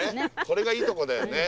これがいいとこだよね。